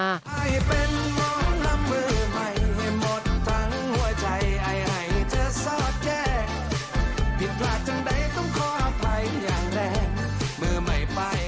ให้เป็นมองลำมือใหม่ให้หมดทั้งหัวใจไอให้เจอซอสแจ๊กผิดพลาดจังใดต้องขออภัยอย่างแรง